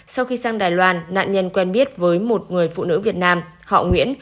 sau khi sang đài loan nạn nhân quen biết với một người phụ nữ việt nam họ nguyễn